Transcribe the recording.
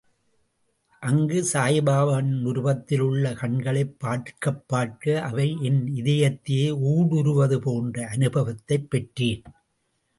அங்கு சாயிபாபாவின் உருவத்தில் உள்ள கண்களை பார்க்கப்பார்க்க அவை என் இதயத்தையே ஊடுருவுவது போன்ற அனுபவத்தைப் பெற்றேன்.